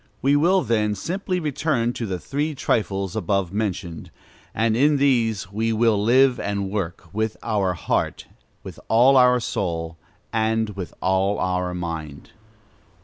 We will, then, simply return to the three trifles above mentioned; and in these we will live and work "with all our heart, with all our soul, and with all our mind."